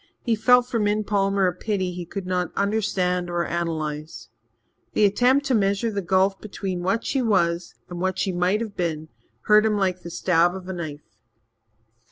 He felt for Min Palmer a pity he could not understand or analyze. The attempt to measure the gulf between what she was and what she might have been hurt him like the stab of a knife.